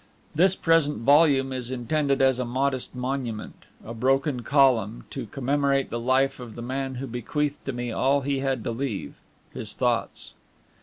This present volume is intended as a modest monument, a broken column, to commemorate the life of the man who bequeathed to me all he had to leave his thoughts.